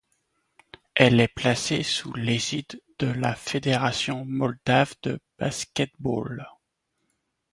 Elle est placée sous l'égide de la Fédération moldave de basket-ball.